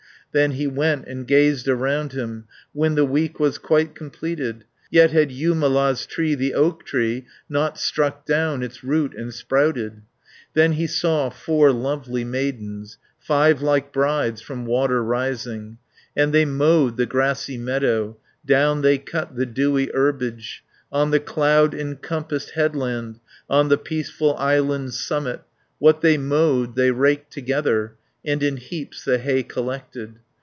Then he went and gazed around him, When the week was quite completed. Yet had Jumala's tree, the oak tree, Not struck down its root and sprouted. Then he saw four lovely maidens; Five, like brides, from water rising; 60 And they mowed the grassy meadow, Down they cut the dewy herbage, On the cloud encompassed headland, On the peaceful island's summit, What they mowed, they raked together, And in heaps the hay collected.